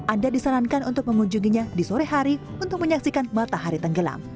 anda disarankan untuk mengunjunginya di sore hari untuk menyaksikan matahari tenggelam